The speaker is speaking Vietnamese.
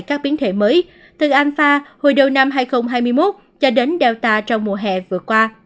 các biến thể mới từ anfa hồi đầu năm hai nghìn hai mươi một cho đến data trong mùa hè vừa qua